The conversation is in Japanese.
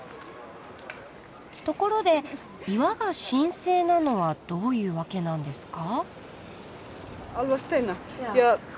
ところで岩が神聖なのはどういう訳なんですか？